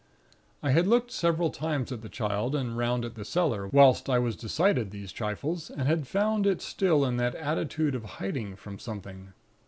"I had looked several times at the Child, and 'round at the cellar, whilst I was decided these trifles; and had found it still in that attitude of hiding from something.